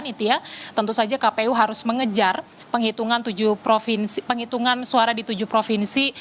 tentu saja kpu harus mengejar penghitungan suara di tujuh provinsi